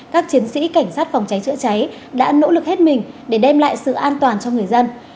các chiến sĩ cảnh sát phòng cháy chữa cháy đã nỗ lực hết mình để đem lại sự an toàn cho người dân